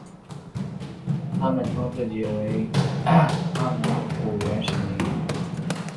他们称自己为阿男姑原住民。